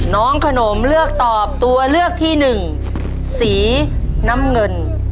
น้องขนมเลือกตอบตัวเลือกที่หนึ่งสีน้ำเงิน